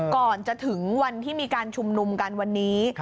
ก่อนจะถึงวันที่มีการชุมนุมกันวันนี้